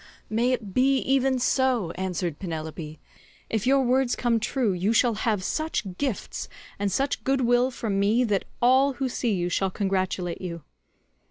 "May it be even so," answered Penelope; "if your words come true, you shall have such gifts and such good will from me that all who see you shall congratulate you."